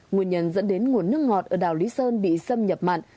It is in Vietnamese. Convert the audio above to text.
nguyên nhân dẫn đến nguồn nước ngọt ở đảo lý sơn bị xâm nhập mặn